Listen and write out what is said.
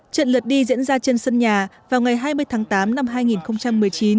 trận lượt đi diễn ra trên sân nhà vào ngày hai mươi tháng tám năm hai nghìn một mươi chín